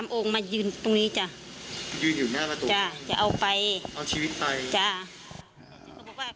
ยืนอยู่หน้าประตูนี้เอาชีวิตไปจ้ะจะเอาไป